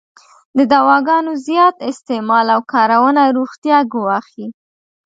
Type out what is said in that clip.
د دواګانو زیات استعمال او کارونه روغتیا ګواښی.